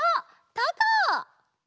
たこ！